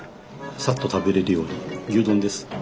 サッと食べれるように牛丼です。